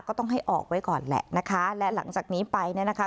ก็ต้องให้ออกไว้ก่อนแหละนะคะและหลังจากนี้ไปเนี่ยนะคะ